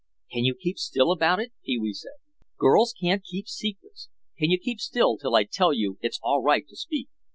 "Can you keep still about it?" Pee wee said. "Girls can't keep secrets. Can you keep still till I tell you it's all right to speak?"